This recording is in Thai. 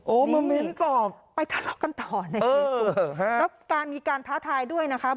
โอ้มะมิ้นตอบไปทะเลาะกันต่อเออแล้วก็การมีการท้าทายด้วยนะคะ